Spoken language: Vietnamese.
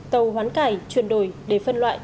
tàu hoán cải chuyển đổi để phân loại